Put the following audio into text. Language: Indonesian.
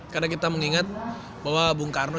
karena kita mengingat bahwa bung karno